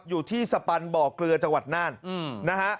อยู่ที่สปันบเกลือจังหวัดนาน